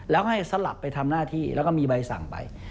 แล้วให้สลับไปทำหน้าที่แล้วก็มีใบสั่งไป